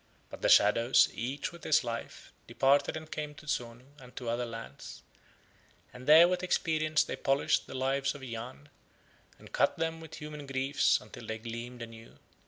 But the shadows, each with his Life, departed and came to Zonu and to other lands, and there with experience they polished the Lives of Yahn, and cut them with human griefs until they gleamed anew.